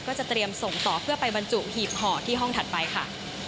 จะเตรียมส่งต่อเพื่อไปบรรจุหีบห่อที่ห้องถัดไปค่ะ